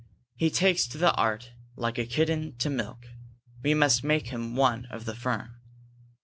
He takes to the art like a kitten to milk. We must make him one of the firm."